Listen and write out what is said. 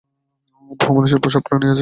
বহু মানুষের পোষা প্রাণী আছে।